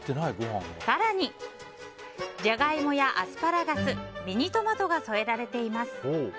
更に、ジャガイモやアスパラガスミニトマトが添えられています。